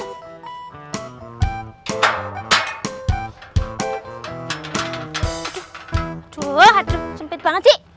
aduh aduh aduh cepet banget sih